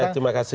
ya terima kasih